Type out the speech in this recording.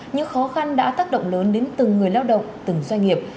những khó khăn đã tác động lớn đến từng người lao động từng doanh nghiệp